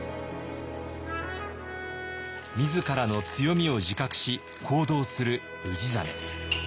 自らの強みを自覚し行動する氏真。